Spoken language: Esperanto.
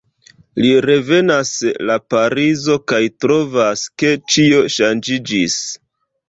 Li revenas la Parizo kaj trovas, ke ĉio ŝanĝiĝis.